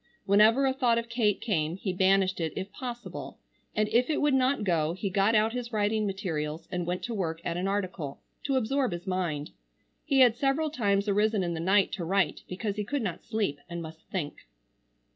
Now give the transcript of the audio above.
Whenever a thought of Kate came he banished it if possible, and if it would not go he got out his writing materials and went to work at an article, to absorb his mind. He had several times arisen in the night to write because he could not sleep, and must think.